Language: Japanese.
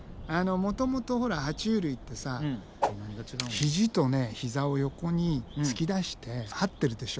もともとほらは虫類ってさ肘と膝を横に突き出してはってるでしょ。